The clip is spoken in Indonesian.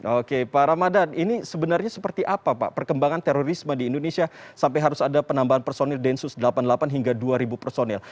oke pak ramadan ini sebenarnya seperti apa pak perkembangan terorisme di indonesia sampai harus ada penambahan personil densus delapan puluh delapan hingga dua ribu personil